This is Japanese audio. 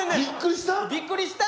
びっくりした。